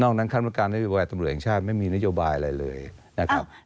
นอกนั้นแฮนะกรรมการโยบายเตรียมตำรวจแห่งชาติไม่มีหน้าโยบายอะไรเลยนะครับ